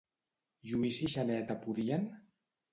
Lluís i Xaneta podien?